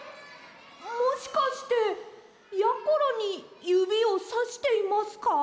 もしかしてやころにゆびをさしていますか？